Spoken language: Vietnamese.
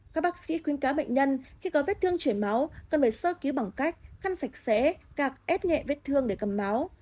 các bác sĩ khuyến cáo bệnh nhân khi có vết thương chảy máu cần phải sơ cứu bằng cách khăn sạch xé gạc ép nhẹ vết thương để cầm máu